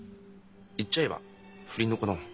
言っちゃえば不倫の子だもん。